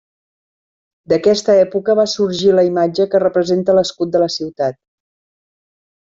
D'aquesta època va sorgir la imatge que representa l'escut de la ciutat.